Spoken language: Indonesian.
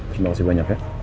terima kasih banyak ya